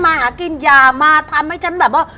มาหากินอย่ามาทำให้ฉันแบบว่า